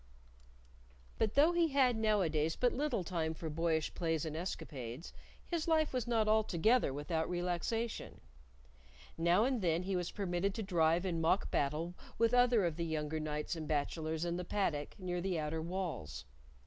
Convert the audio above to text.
But though he had nowadays but little time for boyish plays and escapades, his life was not altogether without relaxation. Now and then he was permitted to drive in mock battle with other of the younger knights and bachelors in the paddock near the outer walls.